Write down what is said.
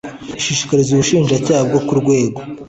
ishyikirizwa ubushinjacyaha bwo ku rwego